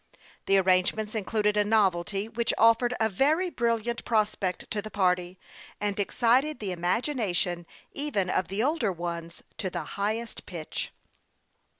The arrangements included a novelty which offered a very brilliant prospect to the party, and excited the imagination even of the older ones to the highest pitch.